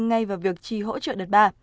ngay vào việc chi hỗ trợ đợt ba